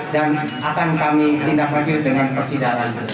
dan akan kami tindak maju dengan persidangan